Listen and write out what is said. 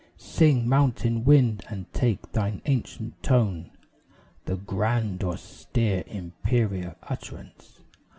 Sing, mountain wind, and take thine ancient tone, The grand, austere, imperial utterance.